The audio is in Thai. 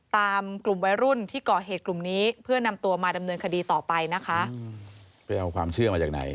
ไปเอาความเชื่อมาจากไหน